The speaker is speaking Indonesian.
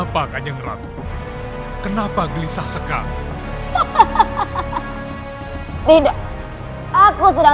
perlindung panggilan itu terima kami biarlah